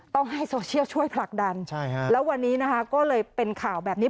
ต้องให้โซเชียลช่วยผลักดันแล้ววันนี้นะคะก็เลยเป็นข่าวแบบนี้